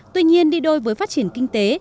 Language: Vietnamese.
tuy nhiên đi đôi với phát triển kinh tế